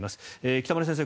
北村先生